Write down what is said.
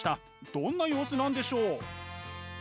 どんな様子なんでしょう！？